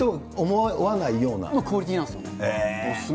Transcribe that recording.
クオリティーなんですよね。